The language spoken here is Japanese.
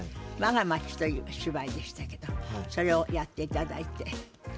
「わが街」という芝居でしたけどそれをやっていただいて。